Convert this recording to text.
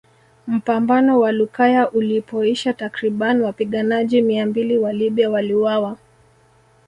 Mpambano wa Lukaya ulipoisha takriban wapiganajji mia mbili wa Libya waliuawa